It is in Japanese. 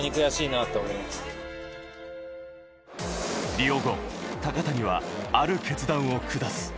リオ後、高谷はある決断を下す。